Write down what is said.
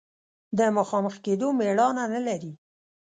د مخامخ کېدو مېړانه نه لري.